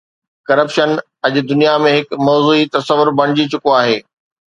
Corruption اڄ دنيا ۾ هڪ موضوعي تصور بڻجي چڪو آهي.